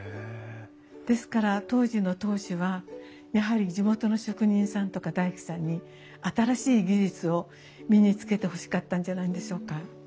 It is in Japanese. ですから当時の当主はやはり地元の職人さんとか大工さんに新しい技術を身につけてほしかったんじゃないんでしょうか。